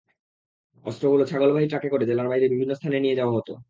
অস্ত্রগুলো ছাগলবাহী ট্রাকে করে জেলার বাইরে বিভিন্ন স্থানে নিয়ে যাওয়া হতো।